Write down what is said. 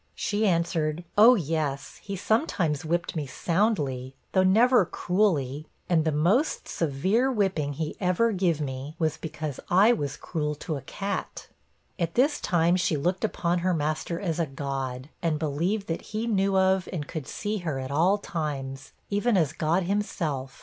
She answered, 'Oh yes, he sometimes whipped me soundly, though never cruelly. And the most severe whipping he ever give me was because I was cruel to a cat.' At this time she looked upon her master as a God; and believed that he knew of and could see her at all times, even as God himself.